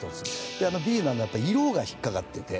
であのＢの色が引っかかってて。